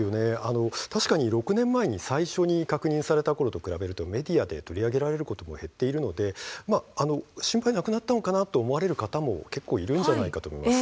確かに、６年前最初に確認されたころに比べるとメディアで取り上げたということも減っているので心配がなくなったのかなと思われる方も結構いるんじゃないかと思います。